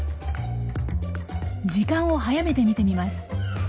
時間を早めて見てみます。